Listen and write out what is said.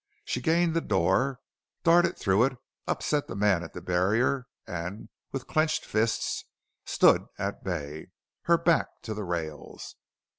She gained the door, darted through it, upset the man at the barrier and with clenched fists stood at bay, her back to the rails.